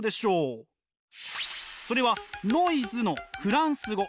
それはノイズのフランス語。